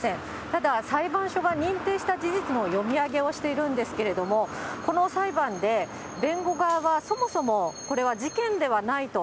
ただ、裁判所が認定した事実の読み上げをしているんですけれども、この裁判で、弁護側はそもそも、これは事件ではないと。